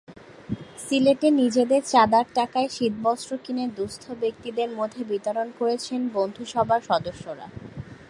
সিলেটে নিজেদের চাঁদার টাকায় শীতবস্ত্র কিনে দুস্থ ব্যক্তিদের মধ্যে বিতরণ করেছেন বন্ধুসভার সদস্যরা।